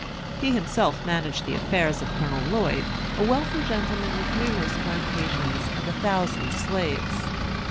He himself managed the affairs of Colonel Lloyd, a wealthy gentleman with numerous plantations and a thousand slaves.